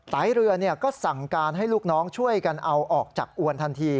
เรือก็สั่งการให้ลูกน้องช่วยกันเอาออกจากอวนทันที